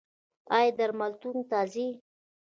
ایا درملتون ته ځئ؟